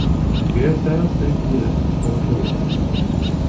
A guesthouse exists for tourists.